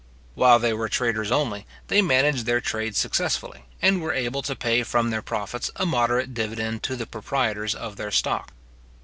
While they were traders only, they managed their trade successfully, and were able to pay from their profits a moderate dividend to the proprietors of their stock.